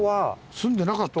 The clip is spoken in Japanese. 住んでなかった。